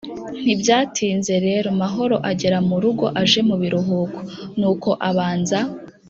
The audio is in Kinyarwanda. Ntibyatinze rero Mahoro agera mu rugo aje mu biruhuko. Nuko abanza